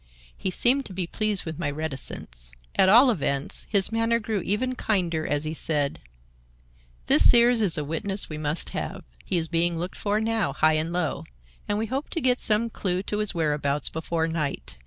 He seemed to be pleased with my reticence. At all events, his manner grew even kinder as he said: "This Sears is a witness we must have. He is being looked for now, high and low, and we hope to get some clue to his whereabouts before night.